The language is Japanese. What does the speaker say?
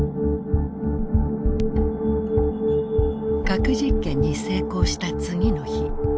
核実験に成功した次の日。